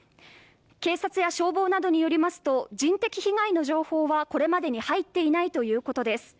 警察や消防などによりますと人的被害の情報はこれまでに入っていないということです。